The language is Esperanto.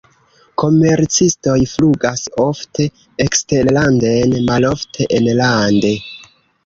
Komercistoj flugas ofte eksterlanden, malofte enlande.